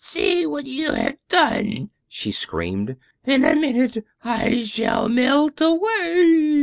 "See what you have done!" she screamed. "In a minute I shall melt away."